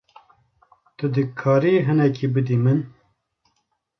Tu dikarî hinekî bidî min?